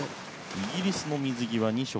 イギリスの水着は２色。